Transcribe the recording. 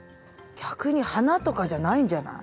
逆に花とかじゃないんじゃない？